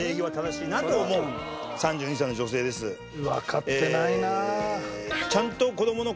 わかってないな。